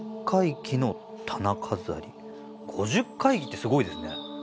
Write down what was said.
５０回忌ってすごいですね。